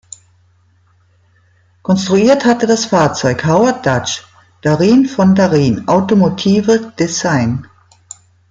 Konstruiert hatte das Fahrzeug Howard „Dutch“ Darrin von Darrin Automotive Design.